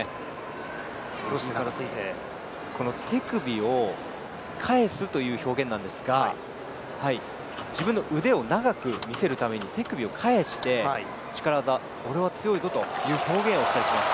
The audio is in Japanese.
この手首をかえすという表現なんですが自分の腕を長く見せるために、手首を返して力技、俺は強いぞというのを表現したりします。